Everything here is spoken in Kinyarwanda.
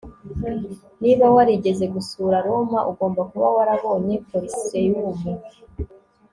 niba warigeze gusura roma, ugomba kuba warabonye coliseum